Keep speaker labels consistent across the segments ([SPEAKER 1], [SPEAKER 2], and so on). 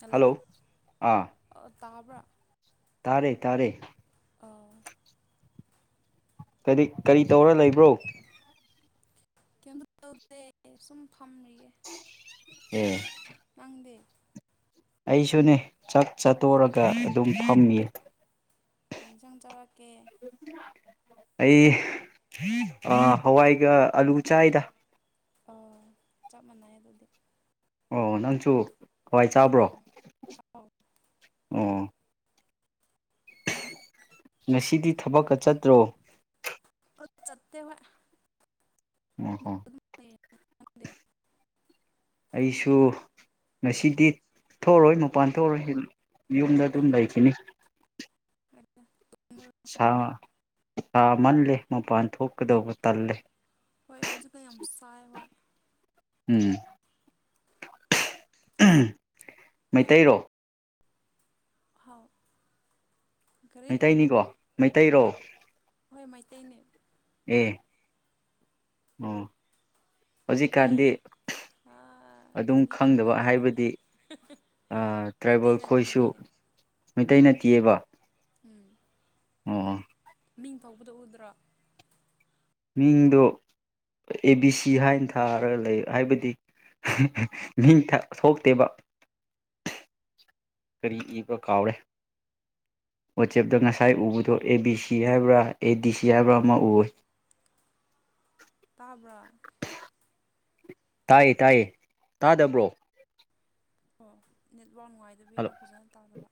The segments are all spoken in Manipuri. [SPEAKER 1] ꯍꯜꯂꯣ
[SPEAKER 2] ꯑꯥ
[SPEAKER 1] ꯇꯥꯕ꯭ꯔꯥ
[SPEAKER 2] ꯇꯥꯔꯦ ꯇꯥꯔꯦ
[SPEAKER 1] ꯑ
[SPEAKER 2] ꯀꯔꯤ ꯀꯔꯤ ꯇꯧꯔ ꯂꯩꯕ꯭ꯔꯣ
[SPEAKER 1] ꯀ ꯇꯦ ꯁꯨꯝ ꯐꯝꯔꯤꯌꯦꯦ
[SPEAKER 2] ꯎꯝ
[SPEAKER 1] ꯃꯥꯡꯗꯦ
[SPEAKER 2] ꯑꯩꯁꯨꯅꯦ ꯆꯥꯛ ꯆꯥꯠꯇꯣꯔꯒ ꯑꯗꯨꯝ ꯐꯝꯃꯤ
[SPEAKER 1] ꯀꯦꯟ ꯆꯪ ꯆꯔꯛꯀꯦ
[SPEAKER 2] ꯑꯩ ꯍꯋꯥꯏꯒ ꯑꯂꯨ ꯆꯥꯏꯗ
[SPEAKER 1] ꯑꯣ ꯆꯞ ꯃꯥꯟꯅꯩ ꯑꯗꯨꯗꯤ
[SPEAKER 2] ꯑꯣ ꯅꯪꯁꯨ ꯍꯋꯥꯏ ꯆꯥꯕ꯭ꯔꯣ
[SPEAKER 1] ꯑꯧ ꯑꯧ
[SPEAKER 2] ꯑꯣ ꯉꯁꯤꯗꯤ ꯊꯕꯛꯀ ꯆꯠꯇ꯭ꯔꯣ
[SPEAKER 1] ꯆꯠꯇ
[SPEAKER 2] ꯑꯣ ꯍꯣ
[SPEAKER 1] ꯑꯗꯨꯗꯦ
[SPEAKER 2] ꯑꯩꯁꯨ ꯉꯁꯤꯗꯤ ꯊꯣꯛꯔꯣꯏ ꯃꯄꯥꯟ ꯊꯣꯛꯑꯣꯏ ꯌꯨꯝꯗ ꯑꯗꯨꯝ ꯂꯩꯈꯤꯅꯤ
[SPEAKER 1] [inaudible]
[SPEAKER 2] ꯁꯥ ꯆꯃꯜꯂꯦ ꯃꯄꯥꯟ ꯊꯣꯛꯀꯗꯧꯕ ꯇꯜꯂꯦ
[SPEAKER 1] ꯍꯣꯏ ꯍꯧꯖꯤꯛꯀ ꯌꯥꯝ ꯁꯥꯏ ꯍ
[SPEAKER 2] ꯎꯝ ꯃꯩꯇꯩꯔꯣ
[SPEAKER 1] ꯍꯥꯎ ꯀꯔꯤ
[SPEAKER 2] ꯃꯩꯇꯩꯅꯤꯀꯣ ꯃꯩꯇꯩꯔꯣ
[SPEAKER 1] ꯍꯣꯏ ꯃꯩꯇꯩꯅꯦ
[SPEAKER 2] ꯑꯦ ꯑꯣ ꯍꯧꯖꯤꯛꯀꯥꯟꯗꯤ
[SPEAKER 1] ꯑꯥ
[SPEAKER 2] ꯑꯗꯨꯝ
[SPEAKER 1] ꯐꯥꯒꯤ
[SPEAKER 2] ꯈꯪꯗꯕ
[SPEAKER 1] ꯇꯧꯕꯅꯤꯗ
[SPEAKER 2] ꯍꯥꯏꯕꯗꯤ
[SPEAKER 1] ꯃꯩꯇꯩ
[SPEAKER 2] ꯇ꯭ꯔꯥꯏꯕꯦꯜ ꯈꯣꯏꯁꯨ
[SPEAKER 1] ꯅꯠꯇꯤꯌꯦ
[SPEAKER 2] ꯃꯩꯇꯩ ꯅꯠꯇꯤꯑꯕ
[SPEAKER 1] ꯎꯝ
[SPEAKER 2] ꯑꯣ
[SPEAKER 1] ꯃꯤꯡ ꯐꯥꯎꯕꯗ ꯎꯗ꯭ꯔꯣ
[SPEAKER 2] ꯃꯤꯡꯗꯣ ꯑꯦ ꯕꯤ ꯁꯤ ꯍꯥꯏꯅ ꯊꯥꯔꯒ ꯂꯩ ꯍꯥꯏꯕꯗꯤ ꯅꯤꯡ ꯁꯣꯛꯇꯦꯕ ꯀꯔꯤ ꯏꯕ ꯀꯥꯎꯔꯦ ꯋꯥꯆꯦꯞꯇ ꯉꯁꯥꯏ ꯎꯕꯗꯣ ꯑꯦ ꯕꯤ ꯁꯤ ꯍꯥꯏꯕ꯭ꯔꯥ ꯑꯦ ꯗꯤ ꯁꯤ ꯍꯥꯏꯕ꯭ꯔꯥ ꯑꯃ ꯎ
[SPEAKER 1] ꯇꯥꯕ꯭ꯔꯥ
[SPEAKER 2] ꯇꯥꯏꯌꯦ ꯇꯥꯏꯌꯦ ꯇꯥꯗꯕ꯭ꯔꯣ
[SPEAKER 1] ꯑꯣ ꯅꯦꯠꯋꯥꯛ
[SPEAKER 2] ꯍꯜꯂꯣ
[SPEAKER 1] ꯅꯨꯡꯉꯥꯏꯗꯕꯤꯔꯥ ꯐꯖꯅ ꯇꯥꯗꯕ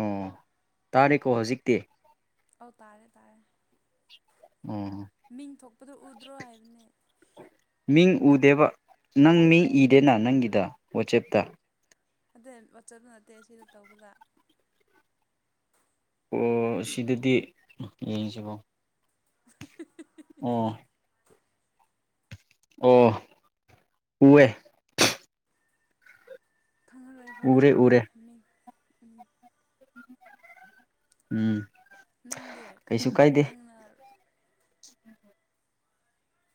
[SPEAKER 2] ꯑꯣ ꯇꯥꯔꯦꯀꯣ ꯍꯧꯖꯤꯛꯇꯤ
[SPEAKER 1] ꯑꯧ ꯇꯥꯔꯦ ꯇꯥꯔꯦ
[SPEAKER 2] ꯑꯣ
[SPEAKER 1] ꯃꯤꯡ ꯊꯣꯛꯄꯗꯨꯣ ꯎꯗ꯭ꯔꯣ ꯍꯥꯏꯕꯅꯦ
[SPEAKER 2] ꯃꯤꯡ ꯎꯗꯦꯕ ꯅꯪ ꯃꯤ ꯏꯗꯦꯅ ꯅꯪꯒꯤꯗ ꯋꯥꯆꯦꯞꯇ
[SPEAKER 1] ꯑꯗꯩ ꯋꯥꯠꯆꯠꯗꯨ ꯅꯠꯇꯦ ꯁꯤꯗ ꯇꯧꯕꯗ
[SPEAKER 2] ꯑꯣ ꯁꯤꯗꯗꯤ ꯌꯦꯡꯁꯤꯕꯣ
[SPEAKER 1] [inaudible]
[SPEAKER 2] ꯑꯣ ꯑꯣ꯫ [unintelligible]
[SPEAKER 1] ꯈꯪꯍꯜꯔꯣꯏ
[SPEAKER 2] ꯎꯔꯦ
[SPEAKER 1] ꯐꯈꯤꯗꯕꯅꯦ
[SPEAKER 2] ꯎꯔꯦ
[SPEAKER 1] ꯃꯤꯡ ꯎꯝ꯫
[SPEAKER 2] ꯎꯝ
[SPEAKER 1] ꯅꯪꯗꯦ ꯅꯪꯅ꯫
[SPEAKER 2] ꯎꯝ꯫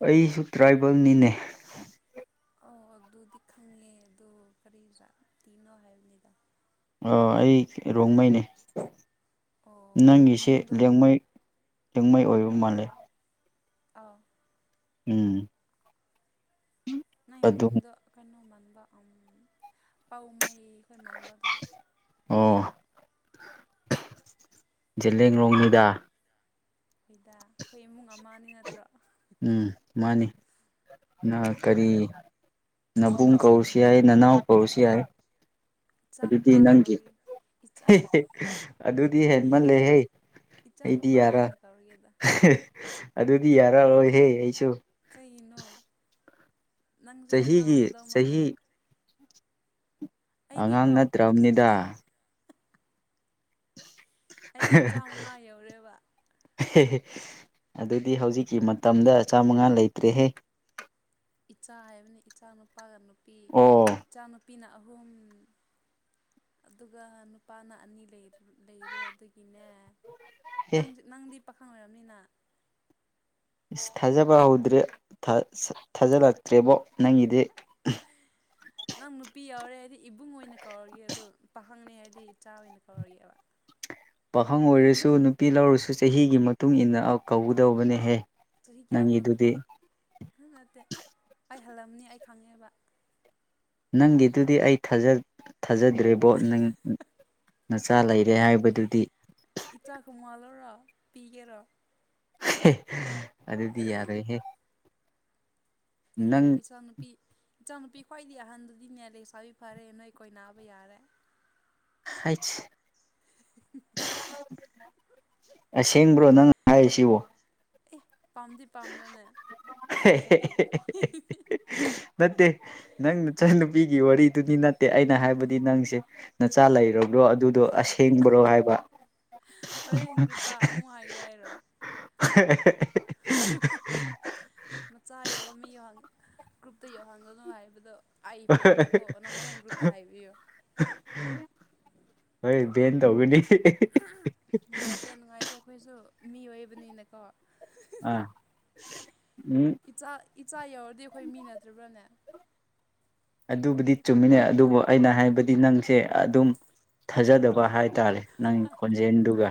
[SPEAKER 2] ꯑꯩꯁꯨ ꯇ꯭ꯔꯥꯏꯕꯦꯜꯅꯤꯅꯦ꯫
[SPEAKER 1] ꯑ ꯑꯗꯨ ꯑꯗꯨꯗꯤ ꯈꯪꯉꯦ ꯑꯗꯨ ꯀꯔꯤꯇꯤꯅꯣ ꯍꯥꯏꯕꯅꯤꯗ꯫
[SPEAKER 2] ꯑ ꯑꯩ ꯔꯣꯡꯃꯩꯅꯦ
[SPEAKER 1] ꯑꯣ
[SPEAKER 2] ꯅꯪꯒꯤꯁꯦ
[SPEAKER 1] ꯃꯤꯡꯗꯣ
[SPEAKER 2] ꯂꯦꯡꯃꯩ꯫ ꯂꯤꯌꯡꯃꯩ ꯑꯣꯏꯕ ꯃꯥꯜꯂꯦ꯫
[SPEAKER 1] ꯑꯥꯎ꯫
[SPEAKER 2] ꯎꯝ꯫
[SPEAKER 1] ꯅꯪꯏ
[SPEAKER 2] ꯑꯗꯨꯝ
[SPEAKER 1] ꯃꯤꯡꯗꯣ ꯀꯩꯅꯣ ꯃꯥꯟꯕ ꯑ ꯄꯥꯎꯃꯩ ꯃꯥꯟꯕ ꯑꯗꯨꯒꯤ꯫
[SPEAKER 2] ꯑꯣ꯫ ꯖꯤꯂꯤꯌꯡꯂꯣꯡ ꯅꯤꯗꯥ꯫
[SPEAKER 1] ꯑꯩꯈꯣꯏꯗ ꯑꯩꯈꯣꯏ ꯏꯃꯨꯡ ꯑꯃꯅꯤ ꯅꯠꯇ꯭ꯔꯣ꯫
[SPEAKER 2] ꯎꯝ ꯃꯥꯅꯤ꯫ ꯅ
[SPEAKER 1] ꯎꯝ
[SPEAKER 2] ꯀꯔꯤ ꯅꯕꯨꯡ ꯀꯧꯁꯨ ꯌꯥꯏ ꯅꯅꯥꯎ ꯀꯧꯁꯨ ꯌꯥꯏ꯫ ꯑꯗꯨꯗꯤ
[SPEAKER 1] ꯆꯥꯟꯄꯥ
[SPEAKER 2] ꯅꯪꯒꯤ
[SPEAKER 1] ꯀꯧꯔꯤ꯫ ꯏꯆꯥ
[SPEAKER 2] ꯑꯗꯨꯗꯤ ꯍꯦꯟꯃꯜꯂꯦꯍꯦ꯫ ꯑꯩꯗꯤ
[SPEAKER 1] ꯏꯆꯥꯅꯨꯄꯥ
[SPEAKER 2] ꯌꯥꯔ
[SPEAKER 1] ꯑꯣꯏꯅ ꯀꯧꯔꯒꯦꯗ
[SPEAKER 2] ꯑꯗꯨꯗꯤ ꯌꯥꯔꯔꯣꯏꯍꯦ ꯑꯩꯁꯨ꯫
[SPEAKER 1] ꯀꯩꯅꯣ ꯅꯪꯁꯦ ꯑꯉꯥꯡ
[SPEAKER 2] ꯆꯍꯤꯒꯤ
[SPEAKER 1] ꯑꯣꯏꯗꯧꯃꯜꯂꯦ꯫
[SPEAKER 2] ꯆꯍꯤ ꯑꯉꯥꯡ
[SPEAKER 1] ꯑꯩꯗꯤꯀꯣ
[SPEAKER 2] ꯅꯠꯇ꯭ꯔꯕꯅꯤꯗ꯫
[SPEAKER 1] ꯑꯩꯗꯤ ꯆꯥꯝꯃꯉꯥ ꯌꯧꯔꯦꯕ꯫
[SPEAKER 2] ꯑꯗꯨꯗꯤ ꯍꯧꯖꯤꯛꯀꯤ ꯃꯇꯝꯗ ꯆꯥꯃꯉꯥ ꯂꯩꯇ꯭ꯔꯦꯍꯦ꯫
[SPEAKER 1] ꯏꯆꯥ ꯍꯥꯏꯕꯅꯤ ꯏꯆꯥ ꯅꯨꯨꯄꯥꯒ ꯅꯨꯄꯤ
[SPEAKER 2] ꯑꯣ
[SPEAKER 1] ꯏꯆꯥ ꯅꯨꯨꯄꯤꯅ ꯑꯍꯨꯝ꯫ ꯑꯗꯨꯒ ꯅꯨꯄꯥꯅ ꯑꯅꯤ ꯂꯩꯔꯦ ꯑꯗꯨꯒꯤꯅꯦ꯫
[SPEAKER 2] ꯑꯦ
[SPEAKER 1] ꯅꯪ ꯅꯪꯗꯤ ꯄꯥꯈꯪ ꯑꯣꯏꯔꯕꯅꯤꯅ꯫
[SPEAKER 2] ꯏꯁ ꯊꯥꯖꯕ ꯍꯧꯗ꯭ꯔꯦ ꯊꯥꯖꯜꯂꯛꯇ꯭ꯔꯦꯕꯣ ꯅꯪꯒꯤꯗꯤ꯫ [inaudible]
[SPEAKER 1] ꯅꯪ ꯅꯨꯄꯤ ꯌꯥꯎꯔꯦ ꯍꯥꯏꯗꯤ ꯏꯕꯨꯡ ꯑꯣꯏꯅ ꯀꯧꯔꯒꯦ ꯑꯗꯣ ꯄꯥꯍꯪꯅꯦ ꯍꯥꯏꯗꯤ ꯏꯆꯥ ꯑꯣꯏꯅ ꯀꯧꯔꯒꯦꯕ꯫
[SPEAKER 2] ꯄꯥꯈꯪ ꯑꯣꯏꯔꯁꯨ ꯅꯨꯄꯤ ꯂꯧꯔꯁꯨ ꯆꯍꯤꯒꯤ ꯃꯇꯨꯡ ꯏꯟꯅ ꯀꯧꯒꯗꯧꯕꯅꯦꯍꯦ꯫
[SPEAKER 1] ꯆꯍꯤ ꯀꯌꯥꯅꯣ
[SPEAKER 2] ꯅꯪꯒꯤꯗꯨꯗꯤ
[SPEAKER 1] ꯑꯗꯨꯗꯤ ꯑꯗꯨ ꯅꯠꯇꯦ ꯑꯩ ꯍꯜꯂꯝꯅꯤ ꯑꯩ ꯈꯪꯉꯦꯕ꯫
[SPEAKER 2] ꯅꯪꯒꯤꯗꯨꯗꯤ ꯑꯩ ꯊꯥꯖꯗ꯭ꯔꯦꯕꯣ ꯅꯪ꯫ ꯅꯆꯥ ꯂꯩꯔꯦ ꯍꯥꯏꯕꯗꯨꯗꯤ꯫
[SPEAKER 1] ꯏꯇꯥ ꯀꯃꯜ ꯑꯣꯔꯥ ꯄꯤꯒꯦꯔꯥ꯫
[SPEAKER 2] ꯑꯗꯨꯗꯤ ꯌꯥꯔꯣꯏꯍꯦ꯫
[SPEAKER 1] ꯀꯩꯒꯤꯅꯣ
[SPEAKER 2] ꯅꯪ
[SPEAKER 1] ꯏꯆꯥ ꯅꯨꯄꯤ꯫ ꯏꯆꯥ ꯅꯨꯨꯄꯤ ꯈ꯭ꯋꯥꯏꯗꯤ ꯑꯍꯟꯗꯨꯗꯤꯅꯦ ꯂꯦꯛꯁꯥꯕꯤ ꯐꯔꯦ ꯅꯣꯏ ꯑꯩꯈꯣꯏ ꯅꯥꯕ ꯌꯥꯔꯦ꯫
[SPEAKER 2] ꯍꯥꯏ꯫ ꯑꯁꯦꯡꯕ꯭ꯔꯣ ꯅꯪ ꯍꯥꯏꯔꯤꯁꯤꯕꯣ꯫
[SPEAKER 1] ꯑꯦ ꯄꯥꯝꯗꯤ ꯄꯥꯝꯕ꯭ꯔꯅꯦ ꯅꯪꯉꯤꯁꯤꯗꯤ꯫
[SPEAKER 2] ꯅꯠꯇꯦ ꯅꯪ ꯅꯨꯆ ꯅꯨꯨꯄꯤꯒꯤ ꯋꯥꯔꯤꯗꯨꯗꯤ ꯅꯠꯇꯦ ꯑꯩꯅ ꯍꯥꯏꯕꯗꯤ ꯅꯪꯁꯦ꯫ ꯅꯆꯥ ꯂꯩꯔꯕ꯭ꯔꯣ ꯑꯗꯨꯗꯣ ꯑꯁꯦꯡꯕ꯭ꯔꯣ ꯍꯥꯏꯕ꯫
[SPEAKER 1] ꯍꯣꯔꯦꯟ ꯀ꯭ꯔꯨꯞꯇ ꯑꯃꯨꯛ ꯍꯥꯏ ꯍꯥꯏꯔꯣ꯫ ꯃꯆꯥ ꯌꯎꯕ ꯃꯤ ꯌꯥꯉꯤ꯫ ꯒ꯭ꯔꯨꯞꯇ ꯌꯧꯍꯟꯒꯅꯨ ꯍꯥꯏꯕꯗꯣ ꯑꯩ ꯄꯦꯟꯗꯦꯀꯣ ꯅ ꯍꯣꯔꯦꯟ ꯒ꯭ꯔꯨꯞꯇ ꯍꯥꯏꯕꯤꯌꯨ꯫
[SPEAKER 2] ꯍꯣꯏ ꯚꯦꯟ ꯇꯧꯒꯅꯤ꯫
[SPEAKER 1] ꯅꯨꯡꯉꯥꯏꯇꯦ ꯅꯨꯡꯉꯥꯏꯇꯦ ꯑꯩꯈꯣꯏꯁꯨ ꯃꯤ ꯑꯣꯏꯕꯅꯤꯅꯀꯣ꯫
[SPEAKER 2] ꯑ ꯎꯝ꯫
[SPEAKER 1] ꯏꯆꯥ ꯏꯆꯥ ꯌꯎꯔꯗꯤ ꯑꯩꯈꯣꯏ ꯃꯤ ꯅꯠꯇ꯭ꯔꯤꯕ꯭ꯔꯥꯅꯦ꯫
[SPEAKER 2] ꯑꯗꯨꯕꯨꯗꯤ ꯆꯨꯝꯃꯤꯅꯦ ꯑꯗꯨꯕꯨ ꯑꯩꯅ ꯍꯥꯏꯕꯗꯤ ꯅꯪꯁꯦ ꯑꯗꯨꯝ ꯊꯥꯖꯗꯕ ꯍꯥꯏ꯫ ꯇꯥꯔꯦ ꯅꯪ ꯈꯣꯟꯖꯦꯜꯗꯨꯒ꯫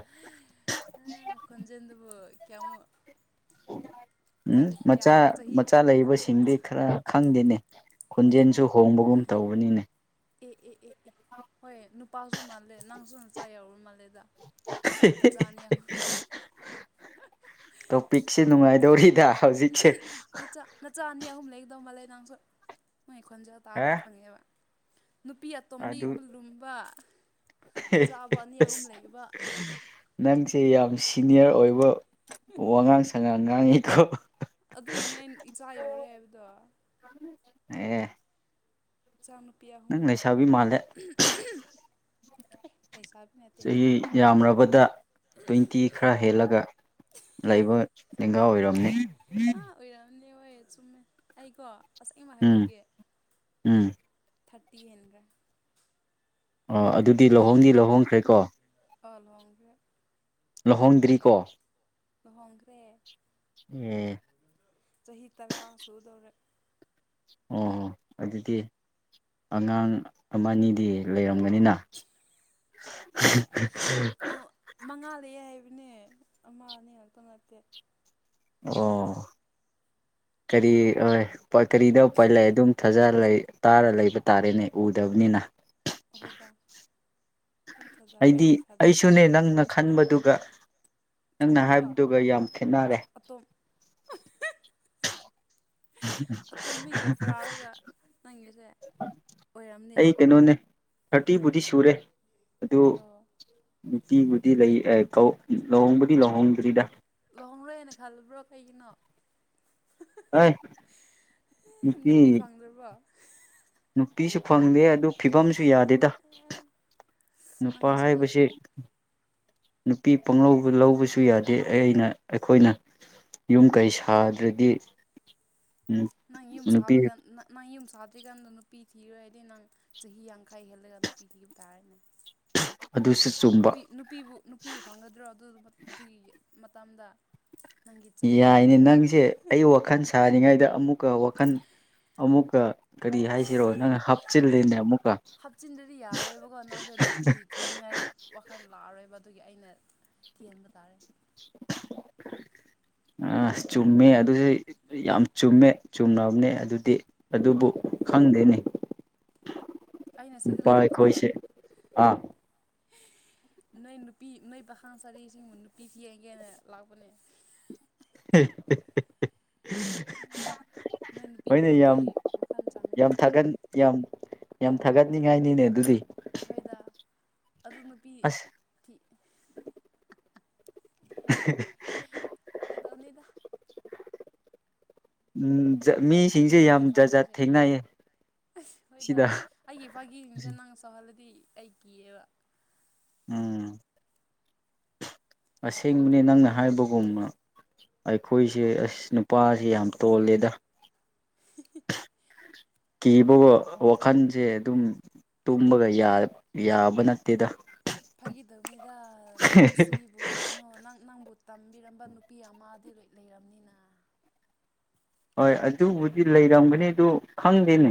[SPEAKER 1] ꯅꯪ ꯈꯣꯟꯖꯦꯟ ꯑꯗꯨꯕꯨ ꯀꯦꯌꯥꯃꯨ꯫
[SPEAKER 2] ꯎꯝ ꯃꯆꯥ
[SPEAKER 1] ꯆꯍꯤ
[SPEAKER 2] ꯃꯆꯥ ꯂꯩꯕꯁꯤꯡꯗꯤ ꯈꯔ ꯈꯪꯗꯦꯅꯦ ꯈꯣꯟꯖꯦꯜꯁꯨ ꯍꯣꯡꯕꯒꯨꯝ ꯇꯧꯕꯅꯤꯅꯦ꯫
[SPEAKER 1] ꯑꯦ ꯑꯦ ꯑꯦ ꯑꯦ ꯍꯣꯏ ꯅꯨꯄꯥꯁꯨ ꯃꯥꯜꯂꯦ ꯅꯪꯁꯨ ꯅꯆꯥ ꯌꯥꯎꯔꯨꯔ ꯃꯥꯜꯂꯦꯗ꯫ ꯃꯆꯥꯅꯤ ꯌꯥꯝ꯫
[SPEAKER 2] ꯇꯣꯄꯤꯛꯁꯦ ꯅꯨꯡꯉꯥꯏꯗꯧꯔꯤꯗ꯫ ꯍꯧꯖꯤꯛꯁꯦ
[SPEAKER 1] ꯅꯆꯥ ꯅꯆꯥ ꯑꯅꯤ ꯑꯍꯨꯝ ꯂꯩꯗꯧ ꯃꯥꯂꯦ ꯅꯪꯡꯁꯨ ꯃꯣꯏ ꯈꯣꯟꯖ ꯇꯥꯕꯗ
[SPEAKER 2] ꯑ
[SPEAKER 1] ꯈꯪꯉꯦꯕ ꯅꯨꯄꯤ
[SPEAKER 2] ꯑꯗꯨ
[SPEAKER 1] ꯇꯣꯝꯕꯤꯒꯨꯝꯕ ꯂꯨꯝꯕ ꯅꯆꯥꯥꯕ ꯑꯅꯤ ꯑꯍꯨꯝ
[SPEAKER 2] ꯑꯁ
[SPEAKER 1] ꯂꯩꯕ
[SPEAKER 2] ꯅꯪꯁꯦ ꯌꯥꯝ ꯁꯤꯅꯤꯌꯔ ꯑꯣꯏꯕ ꯋꯥꯉꯥꯡ ꯁꯉꯥꯡ ꯉꯥꯡꯉꯤꯀꯣ꯫
[SPEAKER 1] ꯑꯗꯨꯒꯤꯅꯦ ꯑꯩ ꯏꯆꯥ ꯌꯧꯔꯦ ꯍꯥꯏꯕꯗꯣ꯫
[SPEAKER 2] ꯑꯦ
[SPEAKER 1] ꯏꯆꯥ ꯅꯨꯨꯄꯤ
[SPEAKER 2] ꯅꯪ
[SPEAKER 1] ꯑꯍꯨꯝꯒ
[SPEAKER 2] ꯂꯩꯁꯥꯕꯤ ꯃꯥꯜꯂꯦ
[SPEAKER 1] ꯎꯝ ꯍꯨꯝ꯫
[SPEAKER 2] ꯆꯍꯤ ꯌꯥꯝꯔꯕꯗ ꯇ꯭ꯋꯦꯟꯇꯤ ꯈꯔ ꯍꯦꯜꯂꯒ꯫ ꯂꯩꯕ ꯂꯦꯡꯒꯥ ꯑꯣꯏꯔꯝꯅꯤ꯫
[SPEAKER 1] ꯑꯥ ꯑꯣꯏꯔꯛꯑꯝꯅꯦ ꯍꯣꯏ ꯆꯨꯝꯃꯦ ꯑꯩꯀꯣ ꯑꯁ ꯑꯩꯃ
[SPEAKER 2] ꯎꯝ
[SPEAKER 1] ꯍꯥꯏꯕꯤꯒꯦ
[SPEAKER 2] ꯎꯝ
[SPEAKER 1] ꯊꯥꯔꯇꯤ ꯍꯦꯟꯈ꯭ꯔꯦ꯫
[SPEAKER 2] ꯑꯣ ꯑꯗꯨꯗꯤ
[SPEAKER 1] ꯊꯥꯔꯇꯤ
[SPEAKER 2] ꯂꯨꯍꯣꯡꯗꯤ
[SPEAKER 1] ꯍꯦꯜꯂꯒ
[SPEAKER 2] ꯂꯨꯍꯣꯡꯈ꯭ꯔꯦꯀꯣ
[SPEAKER 1] ꯑꯣ ꯂꯨꯍꯣꯡꯈꯔꯦ꯫
[SPEAKER 2] ꯂꯨꯍꯣꯡꯗ꯭ꯔꯤꯀꯣ꯫
[SPEAKER 1] ꯂꯨꯍꯣꯡꯈ꯭ꯔꯦ
[SPEAKER 2] ꯎꯝ
[SPEAKER 1] ꯆꯍꯤ ꯇꯔꯥ ꯁꯨꯗꯧꯔꯦ꯫
[SPEAKER 2] ꯑꯣꯍꯣ ꯑꯗꯨꯗꯤ ꯑꯉꯥꯡ ꯑꯃꯅꯤꯗꯤ ꯂꯩꯔꯝꯒꯅꯤꯅ꯫
[SPEAKER 1] ꯃꯉꯥ ꯂꯩꯑꯦ ꯍꯥꯏꯕꯅꯦ ꯑꯃ ꯑꯅꯤ ꯈꯥꯛꯇ ꯅꯠꯇꯦ꯫
[SPEAKER 2] ꯑꯣ ꯀꯔꯤ ꯍꯣꯏ꯫ [unintelligible] ꯑꯗꯨꯝ ꯐꯖ ꯇꯥꯔ ꯂꯩꯕ ꯇꯥꯔꯦꯅꯦ ꯎꯗꯕꯅꯤꯅ꯫
[SPEAKER 1] ꯑꯩꯈꯣꯏꯗ ꯑꯗꯨꯝ ꯊꯥꯖ ꯑꯩꯁꯨ
[SPEAKER 2] ꯑꯩꯗꯤ ꯑꯩꯁꯨꯅꯦ
[SPEAKER 1] ꯊꯥꯖꯕꯤꯒꯅꯦ꯫
[SPEAKER 2] ꯅꯪꯅ ꯈꯟꯕꯗꯨꯒ ꯅꯪꯅ
[SPEAKER 1] ꯆꯨꯝꯃꯦ ꯀꯣ
[SPEAKER 2] ꯍꯥꯏꯕꯗꯨꯒ ꯌꯥꯝ ꯈꯦꯠꯅꯔꯦ
[SPEAKER 1] ꯑ ꯑꯇꯣꯝꯕꯤꯒ ꯄꯨꯔꯛꯑꯒ ꯅꯪꯒꯤꯁꯦ ꯑꯣꯏꯔꯝꯅꯤ
[SPEAKER 2] ꯑꯩ ꯀꯩꯅꯣꯅꯦ꯫ ꯊꯥꯔꯇꯤꯕꯨꯗꯤ ꯁꯨꯔꯦ ꯑꯗꯨ
[SPEAKER 1] ꯑꯣ
[SPEAKER 2] ꯅꯨꯡꯄꯤꯕꯨꯗꯤ ꯂꯩ ꯂꯨꯍꯣꯡꯕꯨꯗꯤ ꯂꯨꯍꯣꯡꯗ꯭ꯔꯤꯗ꯫
[SPEAKER 1] ꯂꯨꯍꯣꯡꯡꯂꯣꯏꯅ ꯈꯜꯂꯕ꯭ꯔꯣ ꯀꯩꯒꯤꯅꯣ꯫
[SPEAKER 2] ꯑꯩ
[SPEAKER 1] ꯑꯦ ꯅꯨꯄꯤ ꯐꯪꯗ꯭ꯔꯕꯣ꯫
[SPEAKER 2] ꯅꯨꯄꯤꯁꯨ ꯐꯪꯗꯦ ꯑꯗꯨ ꯐꯤꯕꯝꯁꯨ ꯌꯥꯗꯦꯗ꯫ ꯅꯨꯄꯥ
[SPEAKER 1] ꯅꯪꯒꯤꯁꯤꯗꯤ
[SPEAKER 2] ꯍꯥꯏꯕꯁꯤ꯫ ꯅꯨꯄꯤ ꯄꯥꯡꯂꯧ ꯂꯧꯕꯁꯨ ꯌꯥꯗꯦ ꯑꯩꯅ ꯑꯩꯈꯣꯏꯅ꯫ ꯌꯨꯝ ꯀꯩ ꯁꯥꯗ꯭ꯔꯗꯤ
[SPEAKER 1] ꯅꯪ ꯌꯨꯝ
[SPEAKER 2] ꯅꯨꯄꯤ
[SPEAKER 1] ꯁꯕꯀꯟ ꯅꯪ ꯅꯪ ꯌꯨꯝ ꯁꯥꯗ꯭ꯔꯤꯀꯥꯟꯗ ꯅꯨꯄꯤ ꯊꯤꯔꯣꯏ ꯍꯥꯏꯗꯤ ꯅꯪ ꯆꯍꯤ ꯌꯥꯡꯈꯥꯏ ꯍꯦꯜꯂꯒ ꯅꯨꯄꯤ ꯊꯤꯕ ꯇꯥꯔꯦꯅꯦ꯫
[SPEAKER 2] ꯑꯗꯨꯁꯨ ꯆꯨꯝꯕ
[SPEAKER 1] ꯅꯨꯄꯤ ꯅꯨꯄꯤꯕꯨ ꯅꯨ ꯅꯨꯄꯤꯕꯨ ꯐꯪꯒꯗ꯭ꯔꯣ ꯑꯗꯨ ꯑꯗꯨꯒꯤ ꯃꯇꯝꯗ꯫ ꯅꯪꯒꯤ ꯆꯍꯤ
[SPEAKER 2] ꯌꯥꯏꯅꯦ
[SPEAKER 1] ꯌꯦꯡꯉꯒ
[SPEAKER 2] ꯅꯪꯁꯦ ꯑꯩ ꯋꯥꯈꯜ ꯁꯥꯔꯤꯉꯩꯗ ꯑꯃꯨꯛꯀ ꯋꯥꯈꯜ ꯑꯃꯨꯛꯀ ꯀꯔꯤ ꯍꯥꯏꯁꯤꯔꯣ ꯅꯪ ꯍꯥꯞꯆꯤꯜꯜꯂꯤꯅꯦ ꯑꯃꯨꯛꯀ꯫
[SPEAKER 1] ꯍꯥꯞꯆꯤꯟꯗ꯭ꯔꯗꯤ ꯌꯥꯔꯣꯏꯕꯀꯣ ꯅꯪꯁꯦ ꯅꯨꯄꯤ ꯊꯤꯅꯤꯡꯉꯥꯏ꯫ ꯋꯥꯈꯜ ꯂꯥꯛꯑꯔꯣꯏꯕ ꯑꯗꯨꯒꯤ ꯑꯩꯅ ꯊꯤꯍꯕ ꯇꯥꯔꯦ꯫
[SPEAKER 2] ꯑ ꯆꯨꯝꯃꯦ ꯑꯗꯨꯁꯨ ꯌꯥꯝ ꯆꯨꯝꯃꯦ꯫ ꯆꯨꯝꯅꯕꯅꯦ ꯑꯗꯨꯗꯤ ꯑꯗꯨꯕꯨ
[SPEAKER 1] ꯎꯝ
[SPEAKER 2] ꯈꯪꯗꯦꯅꯦ꯫
[SPEAKER 1] ꯑꯩꯅ ꯁꯤꯗ
[SPEAKER 2] ꯅꯨꯄꯥ
[SPEAKER 1] ꯂꯥꯛꯄꯗ꯫
[SPEAKER 2] ꯑꯩꯈꯣꯏꯁꯦ ꯑꯥ
[SPEAKER 1] ꯅꯣꯏ ꯅꯨꯄꯤ ꯅꯣꯏ ꯄꯥꯈꯥ ꯁꯥꯔꯤꯁꯤꯡꯕꯨ ꯅꯨꯄꯤ ꯊ ꯌꯦꯡꯒꯦꯅ ꯂꯥꯛꯄꯅꯦ꯫ ꯅꯣꯏ
[SPEAKER 2] [unintelligible]
[SPEAKER 1] ꯅꯨꯄꯤ
[SPEAKER 2] ꯍꯣꯏꯅ ꯌꯥꯝ
[SPEAKER 1] ꯊꯤꯅꯤꯡꯉꯥꯏ ꯋꯥꯈꯜ
[SPEAKER 2] ꯌꯥꯝ
[SPEAKER 1] ꯆꯪꯗ꯭ꯔꯦꯕ
[SPEAKER 2] ꯊꯥꯒꯠ
[SPEAKER 1] ꯑꯗꯨꯒꯤ
[SPEAKER 2] ꯌꯥꯝ ꯌꯥꯝ ꯊꯥꯒꯠꯅꯤꯡꯉꯥꯏꯅꯤꯅꯦ ꯑꯗꯨꯗꯤ꯫
[SPEAKER 1] ꯍꯣꯏꯗ ꯑꯗꯨ ꯅꯨꯄꯤ
[SPEAKER 2] ꯑꯁ
[SPEAKER 1] ꯊꯤ
[SPEAKER 2] [inaudible]
[SPEAKER 1] ꯐꯒꯤꯗꯕꯅꯤꯗ
[SPEAKER 2] ꯎꯝ
[SPEAKER 1] ꯑꯩꯒꯤ
[SPEAKER 2] ꯃꯤꯁꯤꯡꯁꯦ
[SPEAKER 1] ꯑꯩꯒꯤ
[SPEAKER 2] ꯌꯥꯝ ꯖꯥꯠ ꯖꯥꯠ
[SPEAKER 1] ꯐꯥꯒꯤꯁꯦ
[SPEAKER 2] ꯊꯦꯡꯅꯩꯌꯦ
[SPEAKER 1] ꯍꯣꯏꯗ
[SPEAKER 2] ꯁꯤꯗ
[SPEAKER 1] ꯑꯩꯒꯤ ꯏꯄꯥꯒꯤꯁꯤꯡꯁꯦ ꯅꯪ ꯆꯥꯎꯧꯍꯜꯂꯗꯤ ꯑꯩ ꯀꯤꯑꯕ
[SPEAKER 2] ꯎꯝ ꯑꯁꯦꯡꯕꯅꯦ ꯅꯪꯅ ꯍꯥꯏꯕꯒꯨꯝꯕ ꯑꯩꯈꯣꯏꯁꯦ ꯑꯁ ꯅꯨꯄꯥꯁꯦ ꯌꯥꯝ ꯇꯣꯜꯂꯦꯗ
[SPEAKER 1] [inaudible]
[SPEAKER 2] ꯀꯤꯕ ꯋꯥꯈꯜꯁꯦ ꯑꯗꯨꯝ ꯇꯨꯝꯕꯒ ꯌꯥꯕ ꯅꯠꯇꯦꯗ
[SPEAKER 1] ꯐꯒꯤꯗꯧꯉꯩꯗ ꯄꯨꯟꯁꯤꯕꯨ ꯀꯔꯤꯅꯣ ꯅꯪ ꯅꯪꯕꯨ ꯇꯝꯕꯤꯔꯝꯕ ꯅꯨꯄꯤ ꯑꯃꯗꯤ ꯂꯣꯏ ꯂꯩꯔꯕꯅꯤꯅ
[SPEAKER 2] ꯍꯣꯏ ꯑꯗꯨꯕꯨꯗꯤ ꯂꯩꯔꯝꯒꯅꯤ ꯑꯗꯨ ꯈꯪꯗꯦꯅꯦ꯫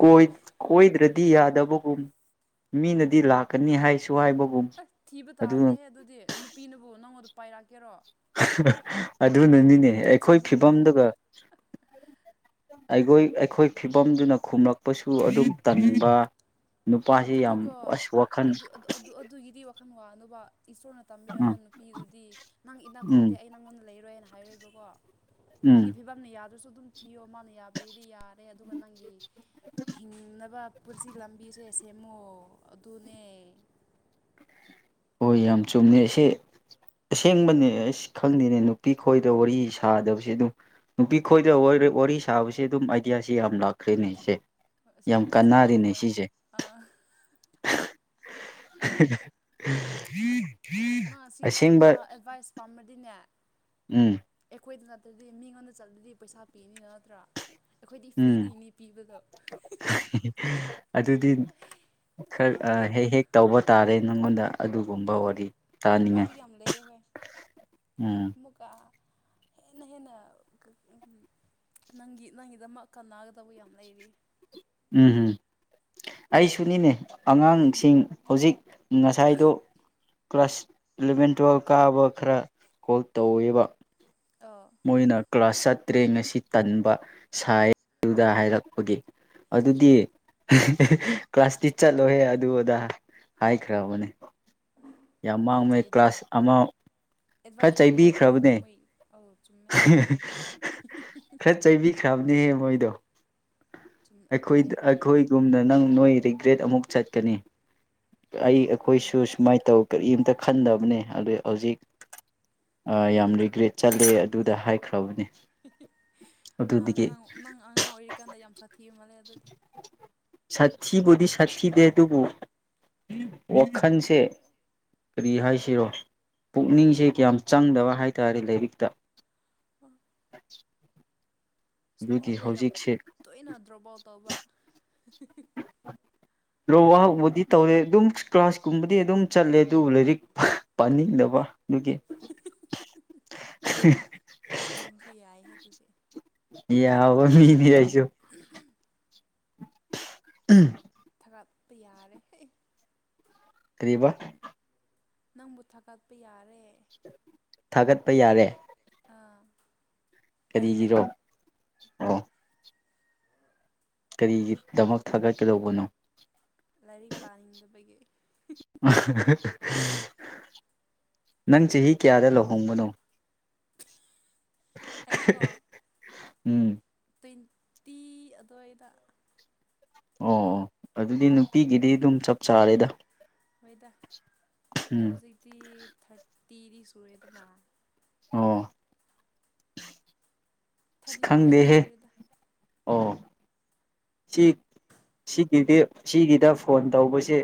[SPEAKER 2] ꯀꯣꯏ ꯀꯣꯏꯗ꯭ꯔꯗꯤ ꯌꯥꯗꯕꯒꯨꯝ ꯃꯤꯅꯗꯤ ꯂꯥꯛꯀꯅꯤ ꯍꯥꯏꯁꯨ ꯍꯥꯏꯕꯒꯨꯝ
[SPEAKER 1] ꯑꯁ ꯊꯤꯕ
[SPEAKER 2] ꯑꯗꯨ
[SPEAKER 1] ꯇꯥꯕꯅꯦꯍ ꯑꯗꯨꯗꯤ ꯅꯨꯄꯤꯅꯕꯨ ꯅꯪꯉꯣꯟꯗ ꯄꯥꯏꯔꯛꯀꯦꯔꯣ
[SPEAKER 2] ꯑꯗꯨꯅꯅꯤꯅꯦ ꯑꯩꯈꯣꯏ
[SPEAKER 1] ꯎꯆꯩꯒꯨꯝꯅ
[SPEAKER 2] ꯐꯤꯕꯝꯗꯨꯒ ꯑꯩꯒꯣꯏ ꯑꯩꯈꯣꯏ ꯐꯤꯕꯝꯗꯨꯅ ꯈꯨꯝꯂꯛꯄꯁꯨ ꯑꯗꯨꯝ ꯇꯟꯕ ꯅꯨꯄꯥꯁꯤ ꯌꯥꯝ
[SPEAKER 1] ꯑꯗꯨꯗꯤꯀꯣ
[SPEAKER 2] ꯑꯁ ꯋꯥꯈꯜ
[SPEAKER 1] ꯑꯗꯨ ꯑꯗꯨ-ꯑꯗꯨ-ꯑꯗꯨ-ꯑꯗꯨꯒꯤꯗꯤ ꯋꯥꯈꯟ ꯋꯥꯅꯨꯕ ꯏꯁꯇꯣꯔꯅ ꯇꯝꯕꯤꯔꯝꯕ
[SPEAKER 2] ꯎꯝ
[SPEAKER 1] ꯅꯨꯄꯤꯗꯨꯗꯤ ꯅꯪ ꯏꯅꯥꯛ
[SPEAKER 2] ꯎꯝ
[SPEAKER 1] ꯈꯨꯟꯗꯦ ꯑꯩ ꯅꯪꯉꯣꯟꯗ ꯂꯩꯔꯣꯏꯅ ꯍꯥꯏꯔꯏꯕ ꯀꯣ
[SPEAKER 2] ꯎꯝ
[SPEAKER 1] ꯅꯪꯒꯤ ꯐꯤꯕꯝꯅ ꯌꯥꯗ꯭ꯔꯁꯨ ꯑꯗꯨꯝ ꯊꯤꯌꯣ ꯃꯥꯅ ꯌꯥꯕꯤꯔꯗꯤ ꯌꯥꯔꯦ ꯑꯗꯨꯒ ꯅꯪꯒꯤ ꯍꯤꯡꯅꯕ ꯄꯨꯟꯁꯤ ꯂꯝꯕꯤꯁꯦ ꯁꯦ ꯁꯦꯃꯣ ꯑꯗꯨꯅꯦ꯫
[SPEAKER 2] ꯍꯣꯏ ꯌꯥꯝ ꯆꯨꯝꯃꯦ ꯁꯦ ꯑꯁꯦꯡꯕꯅꯦ ꯑꯩꯁ ꯈꯪꯗꯦꯅꯦ ꯅꯨꯄꯤ ꯈꯣꯏꯗ ꯋꯥꯔꯤ ꯁꯥꯗꯕꯁꯦ ꯑꯗꯨꯝ ꯅꯨꯄꯤ ꯈꯣꯏꯗ ꯋꯣꯏꯔꯣꯏ ꯋꯥꯔꯤ ꯁꯥꯕꯁꯦ ꯑꯗꯨꯝ ꯑꯥꯏꯗꯤꯌꯥꯁꯤ ꯌꯥꯝ ꯂꯥꯛꯈ꯭ꯔꯦꯅꯦ ꯑꯩꯁꯦ
[SPEAKER 1] ꯍꯣꯏ ꯑꯁꯤꯗ ꯀꯣꯆꯤꯡ ꯂꯧꯔ ꯍꯣꯏ ꯑ
[SPEAKER 2] [unintelligible]
[SPEAKER 1] ꯅꯪ ꯁꯤ
[SPEAKER 2] ꯑꯁꯦꯡꯕ
[SPEAKER 1] ꯑꯁꯤꯒꯨꯝꯕ ꯑꯦꯗꯚꯥꯏꯁ ꯄꯥꯝꯔꯗꯤꯅꯦ꯫
[SPEAKER 2] ꯎꯝ
[SPEAKER 1] ꯑꯩꯈꯣꯏꯗ ꯅꯠꯇ꯭ꯔꯗꯤ ꯃꯤꯉꯣꯟꯗ ꯆꯠꯂꯗꯤ ꯄꯩꯁꯥ ꯄꯤꯅꯤꯅ ꯅꯠꯇ꯭ꯔꯥ ꯑꯩꯈꯣꯏꯗꯤ
[SPEAKER 2] ꯎꯝ
[SPEAKER 1] ꯐ꯭ꯔꯤꯗꯤꯅꯦ ꯄꯤꯕꯗꯣ
[SPEAKER 2] ꯑꯗꯨꯗꯤ ꯈꯔ ꯍꯦꯛ ꯍꯦꯛ ꯇꯧꯕ ꯇꯥꯔꯦ ꯅꯪꯉꯣꯟꯗ ꯑꯗꯨꯒꯨꯝꯕ
[SPEAKER 1] ꯍꯣꯏ
[SPEAKER 2] ꯋꯥꯔꯤ
[SPEAKER 1] ꯌꯥꯝ
[SPEAKER 2] ꯇꯥꯅꯤꯡꯉꯥꯏ
[SPEAKER 1] ꯋꯥꯇꯒꯤꯃ ꯂꯩꯦ ꯍꯣꯏ
[SPEAKER 2] ꯎꯝ
[SPEAKER 1] ꯑꯃꯨꯀꯥ ꯍꯦꯟꯅ ꯍꯦꯟꯅ ꯑ-ꯑ ꯅꯪꯒꯤ ꯅꯪꯒꯤꯗꯃꯛ ꯀꯥꯟꯅꯒꯗꯕ ꯌꯥꯝ ꯂꯩꯔꯤ꯫
[SPEAKER 2] ꯎꯝ ꯎꯝ ꯑꯩ ꯁꯅꯤꯅꯦ ꯑꯉꯥꯡ ꯁꯤꯡ ꯍꯧꯖꯤꯛ ꯉꯁꯥꯏꯗꯨꯣ ꯀ꯭ꯂꯥꯁ ꯏꯂꯚꯦꯟ ꯇꯨꯋꯦꯜꯕ ꯀꯥꯕ ꯈꯔ ꯀꯣꯜ ꯇꯧꯋꯦꯕ
[SPEAKER 1] ꯑꯣ
[SPEAKER 2] ꯃꯣꯏꯅ ꯀ꯭ꯂꯥꯁ ꯆꯠꯇ꯭ꯔꯦ ꯉꯁꯤ ꯇꯟꯕ ꯁꯥꯏꯗꯨꯗ ꯍꯥꯏꯔꯛꯄꯒꯤ꯫ ꯑꯗꯨꯗꯤ ꯀ꯭ꯂꯥꯁꯇꯤ ꯆꯠꯂꯣꯍꯦ ꯑꯗꯨ ꯑꯗꯥ ꯍꯥꯏꯈ꯭ꯔꯕꯅꯦ꯫ ꯌꯥꯝ
[SPEAKER 1] ꯅꯪ
[SPEAKER 2] ꯃꯥꯡꯕꯅꯦ
[SPEAKER 1] ꯆꯥꯏꯗ꯭ꯔꯣ
[SPEAKER 2] ꯀ꯭ꯂꯥꯁ ꯑꯃ ꯈꯔ
[SPEAKER 1] ꯑꯦꯗꯚꯥꯏꯁ ꯄꯤꯕ ꯌꯥꯗ꯭ꯔꯣ ꯅꯪꯁꯨ
[SPEAKER 2] ꯆꯩꯕꯤꯈ꯭ꯔꯕꯅꯦ
[SPEAKER 1] ꯃꯣꯏ ꯑꯧ ꯆꯨꯝꯃꯦ ꯑꯗꯨ ꯇꯧꯗꯧꯅꯦ꯫
[SPEAKER 2] ꯈꯔ ꯆꯩꯕꯤꯈ꯭ꯔꯕꯅꯦꯍꯦ ꯃꯣꯏꯗꯣ
[SPEAKER 1] ꯆꯨꯝꯃꯦ
[SPEAKER 2] ꯑꯩꯈꯣꯏꯗ
[SPEAKER 1] ꯐꯩꯌꯦ ꯑꯗꯨꯗꯤ
[SPEAKER 2] ꯑꯩꯈꯣꯏ ꯌꯨꯝꯗ ꯅꯪ ꯅꯣꯏ ꯔꯤꯒ꯭ꯔꯦꯠ ꯑꯃꯨꯛ ꯆꯠꯀꯅꯤ ꯑꯩ
[SPEAKER 1] ꯎꯝ
[SPEAKER 2] ꯑꯩꯈꯣꯏꯁꯨ ꯁꯨꯃꯥꯏ ꯅ ꯇꯧ ꯀꯔꯤꯝꯇ ꯈꯟꯗꯕꯅꯦ ꯑꯗꯨ ꯍꯧꯖꯤꯛ ꯌꯥꯝ ꯔꯤꯒ꯭ꯔꯦꯠ ꯆꯠ ꯂꯦ ꯑꯗꯨꯗ ꯍꯥꯏꯈ꯭ꯔ ꯕꯅꯦ
[SPEAKER 1] ꯅꯥꯡ ꯅꯪ ꯅꯪ ꯑꯉꯥꯡ ꯑꯣꯏꯔꯤꯀꯥꯟꯗ ꯌꯥꯝ ꯁꯥꯊꯤꯕ ꯃꯥꯜꯂꯦ ꯑꯗꯨꯗꯤ
[SPEAKER 2] ꯁꯥꯊꯤ ꯕꯨꯗꯤ ꯁꯥꯊꯤꯗꯦ ꯗꯨꯕꯨ ꯋꯥꯈꯟ ꯁꯦ ꯀꯔꯤ ꯍꯥꯏꯁꯤꯔꯣ ꯄꯨꯛꯅꯤꯡꯁꯦ ꯀꯌꯥꯝ ꯆꯪꯗꯕ ꯍꯥꯏ ꯇꯥꯔꯦ ꯂꯥꯏꯔꯤꯛꯇ [inaudible] ꯑꯗꯨꯒꯤ
[SPEAKER 1] ꯁ꯭ꯀꯨꯜꯗ ꯌꯥꯝ
[SPEAKER 2] ꯍꯧꯖꯤꯛꯁꯦ
[SPEAKER 1] ꯇꯣꯏꯅ ꯇꯔꯧꯕꯜ ꯇꯧꯕ
[SPEAKER 2] [inaudible] ꯗꯔꯣꯞ ꯑꯥꯎꯠ ꯇꯧꯗꯦ ꯑꯗꯨꯝ ꯀ꯭ꯂꯥꯁ ꯀꯨꯝꯕꯗꯤ ꯑꯗꯨꯝ ꯆꯠꯂꯦ ꯑꯗꯨ ꯂꯥꯏꯔꯤꯛ ꯄꯥꯅꯤꯡ ꯗꯕ ꯗꯨꯒꯤ ꯍꯤ
[SPEAKER 1] ꯅꯪꯁꯨ ꯌꯥꯏꯍꯦ ꯑꯗꯨꯗꯤ
[SPEAKER 2] ꯌꯥꯕ ꯃꯤꯅꯦ ꯑꯩꯁꯨ ꯑ꯭ꯍꯝ ꯎꯝ
[SPEAKER 1] ꯊꯥꯒꯠꯄ ꯌꯥꯔꯦ ꯍꯩ
[SPEAKER 2] ꯀ꯭ꯔꯤ ꯕꯥ
[SPEAKER 1] ꯅꯪꯕꯨ ꯊꯥꯒꯠꯄ ꯌꯥꯔꯦ
[SPEAKER 2] ꯊꯥꯒꯠꯄ ꯌꯥꯔꯦ
[SPEAKER 1] ꯑꯥꯔꯣ ꯑꯥ
[SPEAKER 2] ꯀꯔꯤ
[SPEAKER 1] ꯑꯩꯅ
[SPEAKER 2] ꯒꯤꯔꯣ ꯑꯣ
[SPEAKER 1] [inaudible]
[SPEAKER 2] ꯀꯔꯤꯒꯤꯗꯃꯛ ꯊꯥꯒꯠꯀꯗꯧꯕꯅꯣ
[SPEAKER 1] ꯂꯥꯏꯔꯤꯛ ꯄꯥꯅꯤꯡ ꯗꯕ ꯒꯤ
[SPEAKER 2] ꯑꯍꯍꯥ ꯅꯪ ꯆꯍꯤ ꯀꯌꯥꯗ ꯂꯨꯍꯣꯡ ꯕꯅꯣ [inaudible]
[SPEAKER 1] ꯇ꯭ꯋꯦꯟ ꯇꯤ ꯑꯗꯨꯋꯥꯏꯗ
[SPEAKER 2] ꯑꯣ ꯑꯣ ꯑꯗꯨꯗꯤ ꯅꯨꯄꯤꯒꯤꯗꯤ ꯑꯗꯨꯝ ꯆꯞ ꯆꯥꯔꯦꯗꯥꯥ
[SPEAKER 1] ꯍꯣꯏꯗ ꯍꯧꯖꯤꯛꯇꯤ ꯊꯥꯔꯇꯤꯗꯤ ꯁꯨꯔꯦꯗꯅꯥ
[SPEAKER 2] ꯑꯣ ꯁꯤ
[SPEAKER 1] ꯊꯥꯔꯇꯤ ꯇꯨ
[SPEAKER 2] ꯈꯪꯗꯦ ꯍꯦ
[SPEAKER 1] ꯁꯨꯔꯦꯗ
[SPEAKER 2] ꯑꯣ ꯁꯤ ꯁꯤ ꯁꯤꯒꯤꯗꯤ ꯁꯤꯒꯤꯗ ꯐꯣꯟ ꯇꯧꯕꯁꯦ